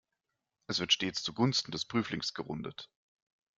Es wird stets zu Gunsten des Prüflings gerundet.